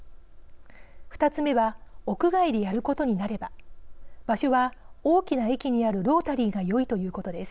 ２つ目は屋外でやることになれば場所は大きな駅にあるロータリーがよいということです。